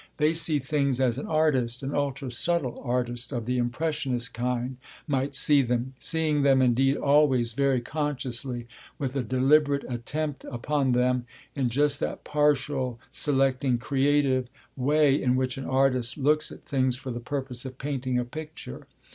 They see things as an artist, an ultra subtle artist of the impressionist kind, might see them; seeing them indeed always very consciously with a deliberate attempt upon them, in just that partial, selecting, creative way in which an artist looks at things for the purpose of painting a picture.